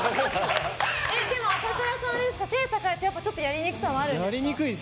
でも朝倉さん、背が高いとやりにくさあるんですか？